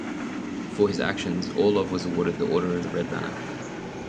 For his actions Orlov was awarded the Order of the Red Banner.